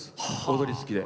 踊り付きで。